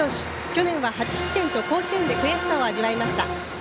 去年は８失点と甲子園で悔しさを味わいました。